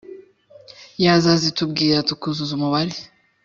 yazazitubwira tukuzuza umubare.